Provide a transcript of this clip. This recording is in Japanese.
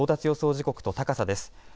時刻と高さです。